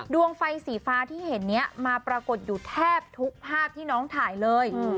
ดวงไฟสีฟ้าที่เห็นนี้มาปรากฏอยู่แทบทุกภาพที่น้องถ่ายเลย